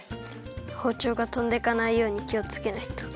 ほうちょうがとんでかないようにきをつけないと。